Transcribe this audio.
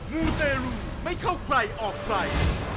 มูเตรลูไม่เข้าใครออกใคร